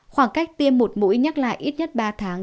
khoảng cách tiêm một mũi nhắc lại ít nhất ba tháng